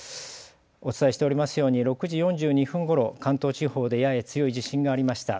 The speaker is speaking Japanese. お伝えしておりますように６時４２分ごろ関東地方でやや強い地震がありました。